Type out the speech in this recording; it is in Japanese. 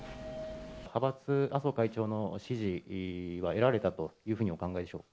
派閥、麻生会長の支持は得られたというふうにお考えでしょうか。